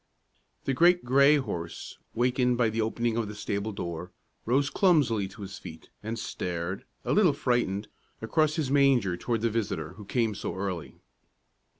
The great gray horse, wakened by the opening of the stable door, rose clumsily to his feet, and stared, a little frightened, across his manger toward the visitor who came so early.